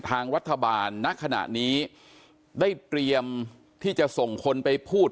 ทางรัฐบาลณขณะนี้ได้เตรียมที่จะส่งคนไปพูด